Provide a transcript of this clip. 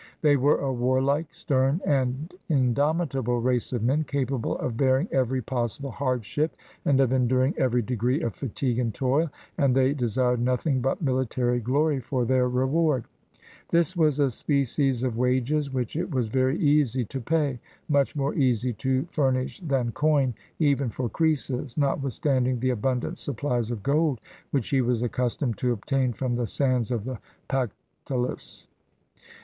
They were a warlike, stern, and indomitable race of men, capable of bearing 314 HOW CYRUS WON THE LAND OF GOLD every possible hardship, and of enduring every degree of fatigue and toil, and they desired nothing but mili tary glory for their reward. This was a species of wages which it was very easy to pay; much more easy to fur nish than coin, even for Croesus, notwithstanding the abundant supplies of gold which he was accustomed to obtain from the sands of the Pactolus.